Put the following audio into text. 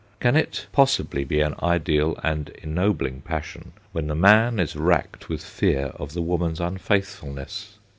Can it possibly be an ideal and ennobling passion when the man is racked with fear of the woman's unfaithfulness